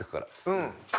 うん。